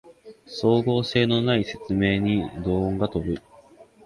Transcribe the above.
整合性のない説明に怒声が飛ぶ